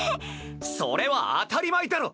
それは当たり前だろ！